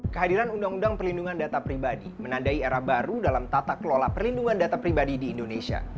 kehadiran undang undang perlindungan data pribadi menandai era baru dalam tata kelola perlindungan data pribadi di indonesia